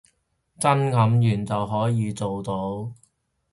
真冗員就可以做到